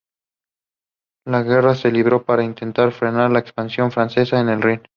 La guerra se libró para intentar frenar la expansión francesa en el Rin.